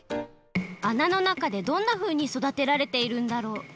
あなの中でどんなふうにそだてられているんだろう？